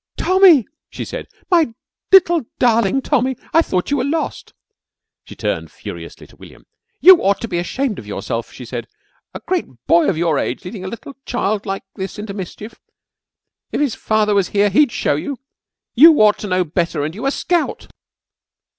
"Tommy," she said. "My little darling Tommy. I thought you were lost!" She turned furiously to William. "You ought to be ashamed of yourself," she said. "A great boy of your age leading a little child like this into mischief! If his father was here, he'd show you. You ought to know better! And you a scout."